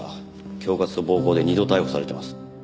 恐喝と暴行で２度逮捕されてます。